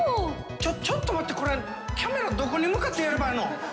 ちょちょっと待ってこれキャメラどこに向かってやればいいの？